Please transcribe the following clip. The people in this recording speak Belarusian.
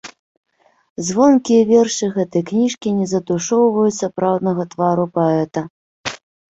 Звонкія вершы гэтай кніжкі не затушоўваюць сапраўднага твару паэта.